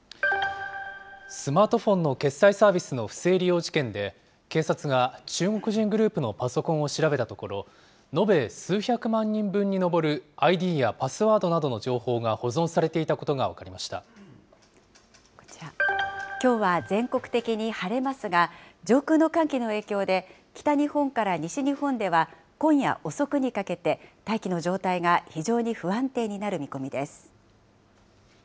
スマートフォンの決済サービスの不正利用事件で、警察が中国人グループのパソコンを調べたところ、延べ数百万人分に上るＩＤやパスワードなどの情報が保存されていこちら、きょうは全国的に晴れますが、上空の寒気の影響で、北日本から西日本では、今夜遅くにかけて、大気の状態が非常に不安定になる見込みです。